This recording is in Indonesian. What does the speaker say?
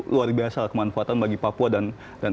luar biasa kemanfaatan bagi papua dan